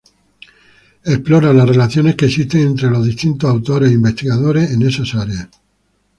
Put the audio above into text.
Explora las relaciones que existen entre los distintos autores e investigadores en esas áreas.